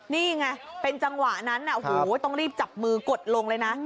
นี่ไงเป็นจังหวะนั้นต้องรีบจับมือกดลงเลยนะ